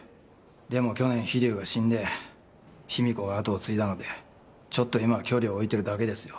でも去年秘龍が死んで秘美子が跡を継いだのでちょっと今は距離を置いてるだけですよ。